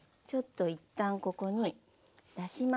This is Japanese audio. ちょっと一旦ここに出します。